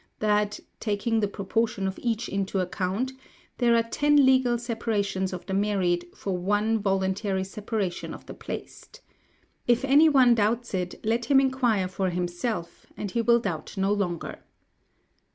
that (taking the proportion of each into account) there are ten legal separations of the married, for one voluntary separation of the placed. If anyone doubts it, let him inquire for himself, and he will doubt no longer.